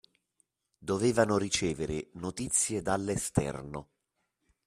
Dovevano ricevere notizie dall’esterno